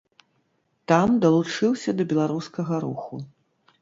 Там далучыўся да беларускага руху.